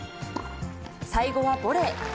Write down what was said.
最後はボレー。